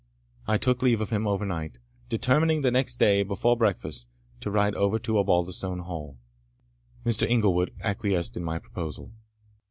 I took leave of him overnight, determining the next day, before breakfast, to ride over to Osbaldistone Hall. Mr. Inglewood acquiesced in my proposal.